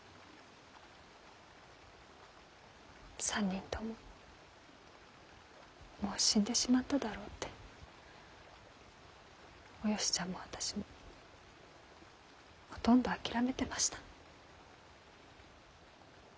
３人とももう死んでしまっただろうっておよしちゃんも私もほとんど諦めてました。